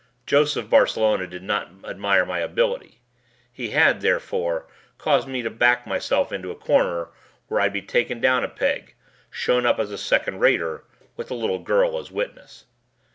Joseph Barcelona did not admire my ability. He had, therefore, caused me to back myself into a corner where I'd be taken down a peg, shown up as a second rater with the little girl as a witness.